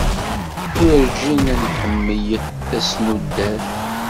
Werǧin nḥemmleɣ tasnudert.